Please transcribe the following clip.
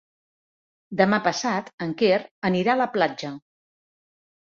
Demà passat en Quer anirà a la platja.